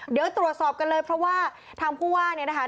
เดี๋ยวตรวจสอบกันเลยเพราะว่าทางผู้ว่าเนี่ยนะคะ